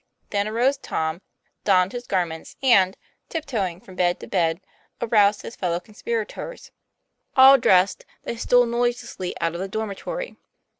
Then arose Tom, donned his garments, and, tiptoeing from bed to bed, aroused his fellow conspirators. All dressed, they stole noiselessly out of the dormitory.